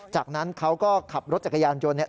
จากนั้นเขาก็ขับรถจักรยานยนต์เนี่ย